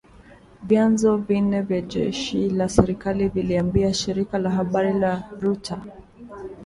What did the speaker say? vyanzo vine vya jeshi la serikali vililiambia shirika la habari la Reuter